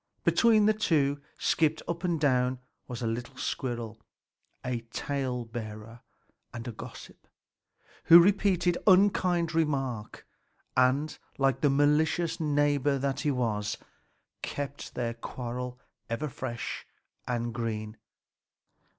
Between the two skipped up and down a little squirrel, a tale bearer and a gossip, who repeated each unkind remark and, like the malicious neighbor that he was, kept their quarrel ever fresh and green.